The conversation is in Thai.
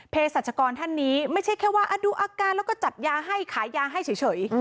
สัชกรท่านนี้ไม่ใช่แค่ว่าดูอาการแล้วก็จัดยาให้ขายยาให้เฉย